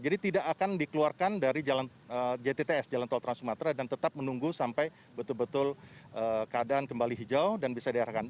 tidak akan dikeluarkan dari jtts jalan tol trans sumatera dan tetap menunggu sampai betul betul keadaan kembali hijau dan bisa diarahkan